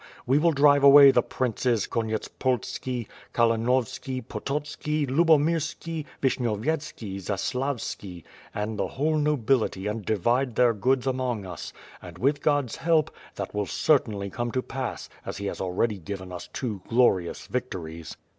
We will drive away the Princes Konyetspolski, Kalinovski, Pototski, Lubomirski, Vishnyov yetski, Zaslavski, and the whole nobility and divide their goods among us; and, with God's help, that will certainly come to pass, as He has already given us two glorious vic tories."